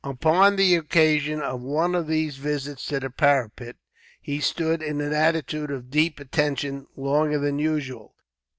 Upon the occasion of one of these visits to the parapet, he stood in an attitude of deep attention, longer than usual.